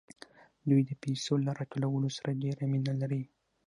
دوی د پیسو له راټولولو سره ډېره مینه لري